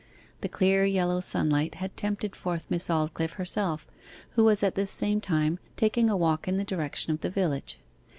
The clear yellow sunlight had tempted forth Miss Aldclyffe herself, who was at this same time taking a walk in the direction of the village.